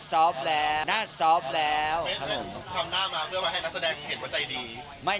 ๖โมงเช้า